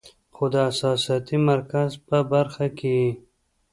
خو د احساساتي مرکز پۀ برخه کې ئې